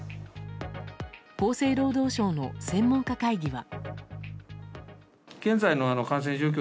厚生労働省の専門家会議は。